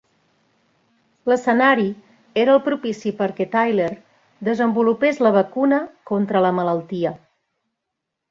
L'escenari era el propici perquè Theiler desenvolupés la vacuna contra la malaltia.